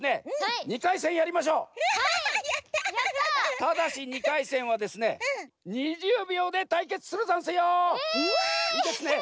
ただし２かいせんはですね２０秒でたいけつするざんすよ！え！？うわ！いいですね！